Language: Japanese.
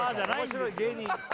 面白い芸人